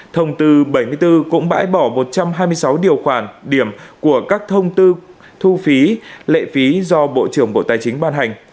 thông tư bảy mươi bốn cũng bãi bỏ một trăm hai mươi sáu điều khoản điểm của các thông tư thu phí lệ phí do bộ trưởng bộ tài chính ban hành